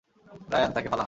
Ryan, তাকে ফালা!